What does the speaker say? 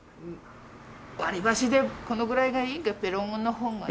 割り箸でこのぐらいがいいペロッの方がいい。